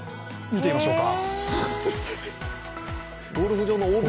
見てみましょうか。